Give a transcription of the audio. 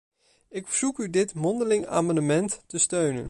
Ik verzoek u dit mondeling amendement te steunen.